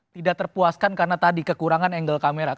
tidak terpuaskan karena tadi kekurangan angle kamera